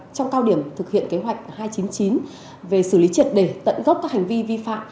trong cao điểm thực hiện kế hoạch hai trăm chín mươi chín về xử lý triệt để tận gốc các hành vi vi phạm